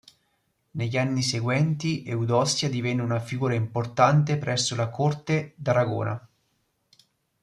Negli anni seguenti Eudossia divenne una figura importante presso la corte d'Aragona.